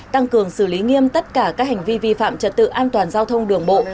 tăng cường xử lý nghiêm tất cả các hành vi vi phạm trật tự an toàn giao thông đường bộ